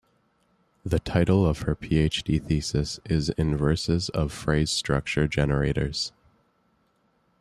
The title of her PhD thesis is "Inverses of Phrase Structure Generators".